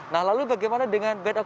nah lalu bagaimana dengan bad occupant